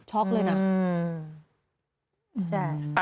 ช็อกเลยนะ